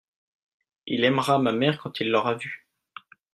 il aimera ma mère quand il l'aura vue.